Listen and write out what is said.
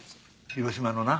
広島のな。